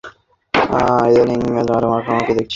ইদানীং মলির সাথে একটু বেশিই মাখামাখি দেখছি তোমার।